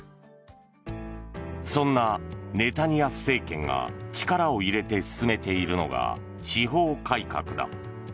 そんなネタニヤフ政権が力を入れて進めているのが司法改革だ。